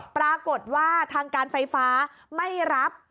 ปรากฏว่าทางการไฟฟ้าไม่รับ